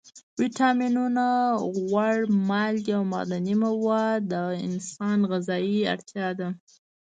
ویټامینونه، غوړ، مالګې او معدني مواد د انسان غذایي اړتیا ده.